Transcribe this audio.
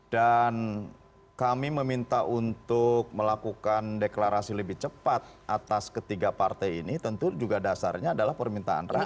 dan kami meminta untuk melakukan deklarasi lebih cepat atas ketiga partai ini tentu juga dasarnya adalah permintaan rakyat